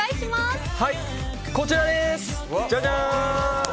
こちらです。